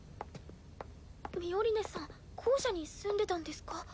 ミオリネさん校舎に住んでたんですか？